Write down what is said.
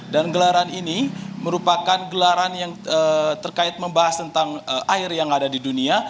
dan gelaran ini merupakan gelaran yang terkait membahas tentang air yang ada di dunia